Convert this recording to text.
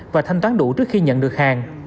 và thanh toán đủ trước khi nhận được hàng